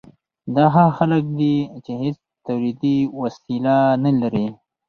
دا هغه خلک دي چې هیڅ تولیدي وسیله نلري.